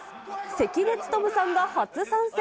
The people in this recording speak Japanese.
関根勤さんが初参戦。